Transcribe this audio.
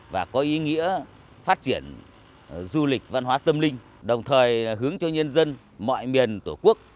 và có ý nghĩa phát triển du lịch văn hóa tâm linh đồng thời hướng cho nhân dân mọi miền tổ quốc